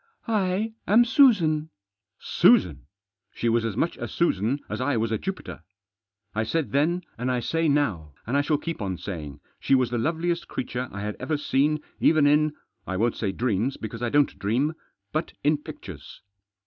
"I am Susan." Susan ! She was as much a Susan as I was a Jupiter. I said then, and I say now, and I shall keep on saying, she was the loveliest creature I had ever seen even in — I won't say dreams, because I don't dream — but in pictures.